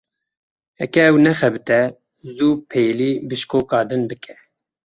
Heke ev nexebite, zû pêlî bişkoka din bike.